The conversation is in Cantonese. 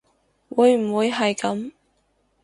會唔會係噉